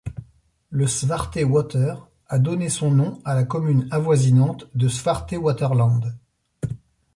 Le Zwarte Water a donné son nom à la commune avoisinante de Zwartewaterland.